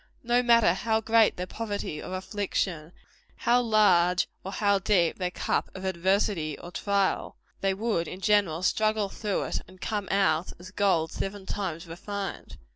No matter how great their poverty or affliction how large or how deep their cup of adversity or trial they would, in general, struggle through it, and come out as gold seven times refined.